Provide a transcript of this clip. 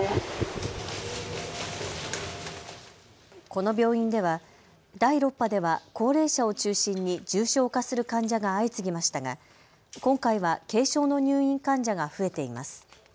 この病院では第６波では高齢者を中心に重症化する患者が相次ぎましたが今回は軽症の入院患者が増えています。